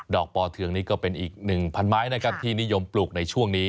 ดอกปอเทืองนี้ก็เป็นอีก๑๐๐๐ไม้ที่นิยมปลูกในช่วงนี้